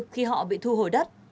khi họ bị thu hồi đất